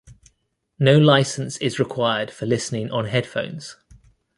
No licence is required for listening on headphones.